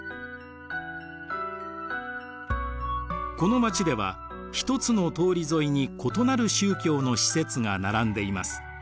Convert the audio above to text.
この町では一つの通り沿いに異なる宗教の施設が並んでいます。